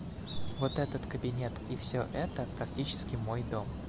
Вот этот кабинет и все это - практически мой дом.